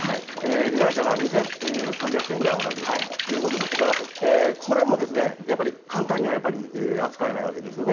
被害者は２３００件ぐらいおられるということでこれも簡単には扱えないわけですよね。